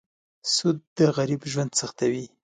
سود د غریب ژوند سختوي.